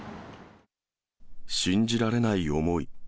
信じられない思い。